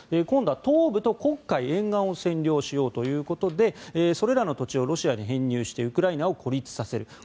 今度は東部と黒海沿岸を占領しようということでそれらの土地をロシアに編入してウクライナを孤立させる。